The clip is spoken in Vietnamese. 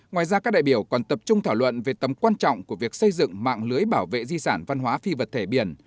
ngoài ra các đại biểu còn tập trung thảo luận về tầm quan trọng của việc xây dựng mạng lưới bảo vệ di sản văn hóa phi vật thể biển